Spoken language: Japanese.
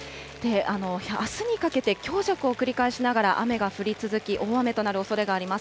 あすにかけて強弱を繰り返しながら雨が降り続き、大雨となるおそれがあります。